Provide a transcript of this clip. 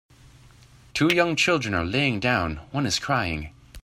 Two young children are laying down, one is crying.